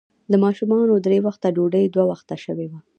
د ماشومانو درې وخته ډوډۍ، دوه وخته شوې وه.